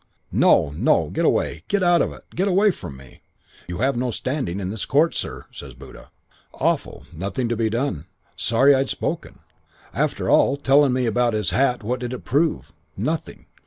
"'No! No! Get away! Get out of it! Get away from me!' "'You have no standing in this court, sir,' says Buddha. "Awful. Nothing to be done. Sorry I'd spoken. After all, telling me about his hat, what did it prove? Nothing.